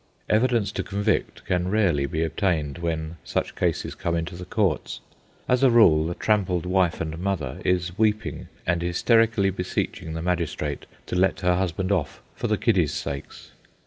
Evidence to convict can rarely be obtained when such cases come into the courts; as a rule, the trampled wife and mother is weeping and hysterically beseeching the magistrate to let her husband off for the kiddies' sakes.